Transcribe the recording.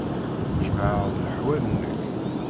Jmeɛ-d leḥwal-nnek.